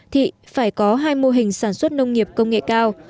thì phải có hai mô hình sản xuất nông nghiệp công nghệ cao